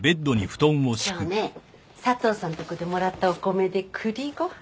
今日ね佐藤さんとこでもらったお米でくりご飯。